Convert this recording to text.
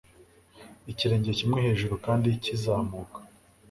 ikirenge kimwe hejuru kandi kizamuka